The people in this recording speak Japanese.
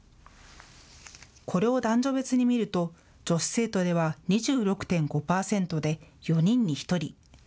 これを男女別に見ると女子生徒では２６．５％で４人に１人。